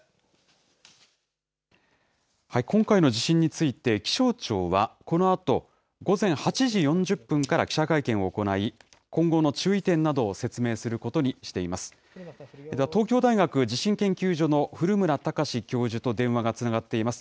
今回の地震について、気象庁は、このあと午前８時４０分から記者会見を行い、今後の注意点などを説明することにしています。